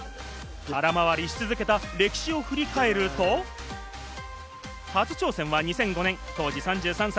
空回りし続けた歴史を振り返ると、初挑戦は２００５年、当時３３歳。